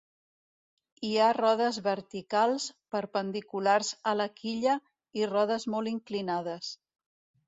Hi ha rodes verticals, perpendiculars a la quilla i rodes molt inclinades.